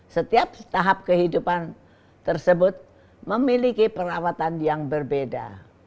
setiap tahap kehidupan tersebut memiliki perawatan yang berbeda